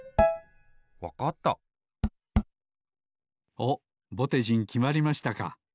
おっぼてじんきまりましたか。